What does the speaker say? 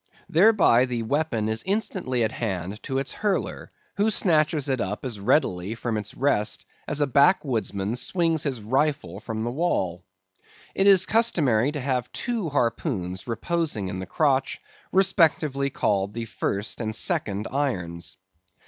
Thereby the weapon is instantly at hand to its hurler, who snatches it up as readily from its rest as a backwoodsman swings his rifle from the wall. It is customary to have two harpoons reposing in the crotch, respectively called the first and second irons.